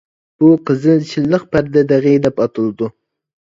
بۇ قىزىل شىللىق پەردە دېغى دەپ ئاتىلىدۇ.